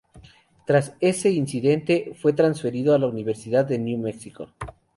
Tras ese incidente, fue transferido a la Universidad de New Mexico.